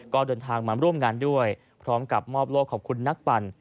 ก็เดินทางมาร่วมงานด้วยพร้อมกับมอบโลกขอบคุณนักปั่น